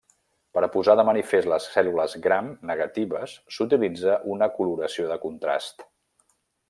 Per a posar de manifest les cèl·lules Gram negatives s'utilitza una coloració de contrast.